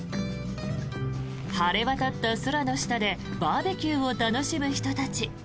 晴れ渡った空の下でバーベキューを楽しむ人たち。